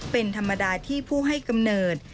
เป็นธรรมดาที่ผู้ให้กำเนิด